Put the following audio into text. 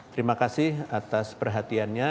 terima kasih atas perhatiannya